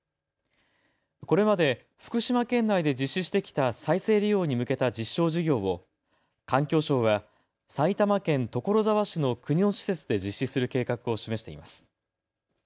これまで福島県内で実施してきた再生利用に向けた実証事業を環境省は埼玉県所沢市の国の施設で実施する計画を示しています。